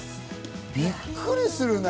びっくりするね。